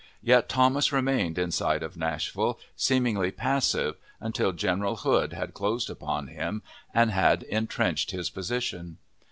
Yet Thomas remained inside of Nashville, seemingly passive, until General Hood had closed upon him and had entrenched his position.